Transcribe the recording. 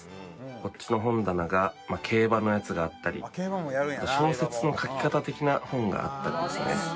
こっちの本棚が競馬のやつがあったり小説の書き方的な本があったりですね。